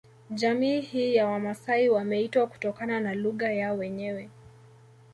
Jamii hii ya Wamasai wameitwa kutokana na lugha yao wenyewe